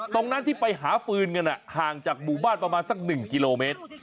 ตรงนั้นที่ไปหาฟืนกันห่างจากหมู่บ้านประมาณสัก๑กิโลเมตร